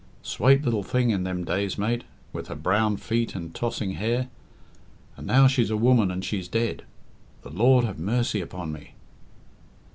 Swate lil thing in them days, mate, with her brown feet and tossing hair. And now she's a woman and she's dead! The Lord have mercy upon me!"